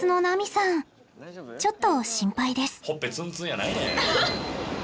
ちょっと心配です